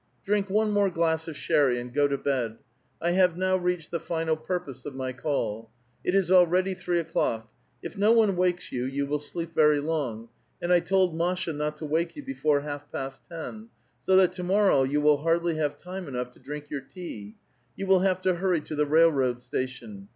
Drink one more glass of sherry, and go to bed. 1 have now reached the final purpose of my call. It is ah*eady three o'clock. If no one wakes you, you will sleep very long ; and I told Masha not to wake you before half past ten, so tiiat to morrow you will hardly have time enough to drink 3*our tea ; you will have to hurry to the railroad station.